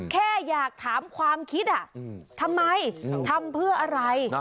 แค่อยากถามความคิดทำไมทำเพื่ออะไร